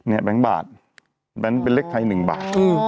แบงค์บาทแบงค์เป็นเลขไทย๑บาท